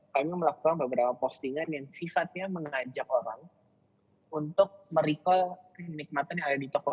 kami melakukan beberapa postingan yang sifatnya mengajak orang untuk merecall kenikmatan yang ada di toko